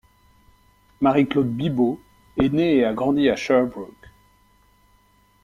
Marie-Claude Bibeau est née et a grandi à Sherbrooke.